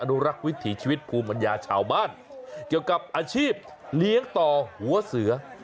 นุรักษ์วิถีชีวิตภูมิปัญญาชาวบ้านเกี่ยวกับอาชีพเลี้ยงต่อหัวเสือ